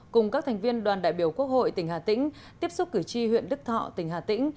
cùng các thành viên đoàn đại biểu quốc hội tỉnh hà tĩnh tiếp xúc cử tri huyện đức thọ tỉnh hà tĩnh